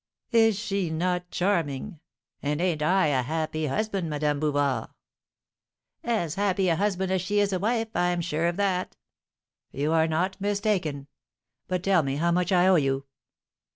"Is she not charming? and ain't I a happy husband, Madame Bouvard?" "As happy a husband as she is a wife, I am sure of that." "You are not mistaken. But tell me how much I owe you."